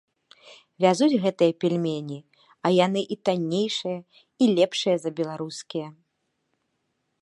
Вязуць гэтыя пельмені, а яны і таннейшыя, і лепшыя за беларускія!